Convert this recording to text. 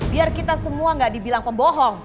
biar kita semua gak dibilang pembohong